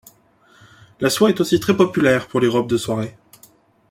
La soie est aussi très populaire pour les robes de soirée.